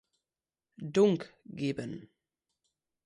Dunk“ geben.